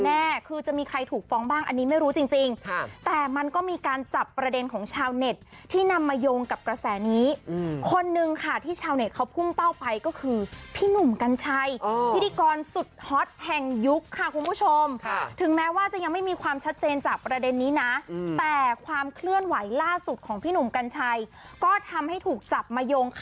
แน่คือจะมีใครถูกฟ้องบ้างอันนี้ไม่รู้จริงจริงแต่มันก็มีการจับประเด็นของชาวเน็ตที่นำมาโยงกับกระแสนี้คนนึงค่ะที่ชาวเน็ตเขาพุ่งเป้าไปก็คือพี่หนุ่มกัญชัยพิธีกรสุดฮอตแห่งยุคค่ะคุณผู้ชมถึงแม้ว่าจะยังไม่มีความชัดเจนจากประเด็นนี้นะแต่ความเคลื่อนไหวล่าสุดของพี่หนุ่มกัญชัยก็ทำให้ถูกจับมาโยงค